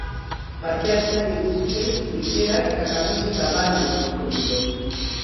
Parte-hartzaile guztiek bisera eta kamiseta bana lortuko dute.